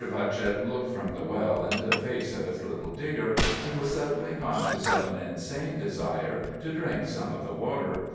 Putchett looked from the well into the face of its little digger, and was suddenly conscious of an insane desire to drink some of the water.